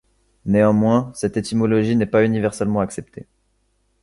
Néanmoins, cette étymologie n'est pas universellement acceptée.